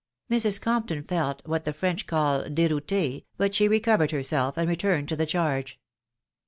Mrs. Compton felt what the French call deroutte, but she recovered herself, and returned to the charge.